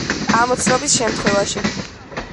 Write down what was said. ამოცნობის შემთხვევაში.